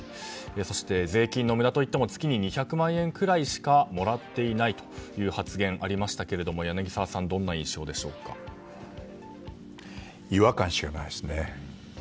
そして、税金の無駄といっても月に２００万円くらいしかもらっていないという発言がありましたが違和感しかないですね。